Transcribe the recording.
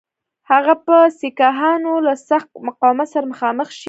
هغه به د سیکهانو له سخت مقاومت سره مخامخ شي.